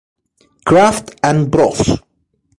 Kraft and Bros.